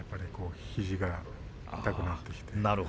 肘が痛くなって。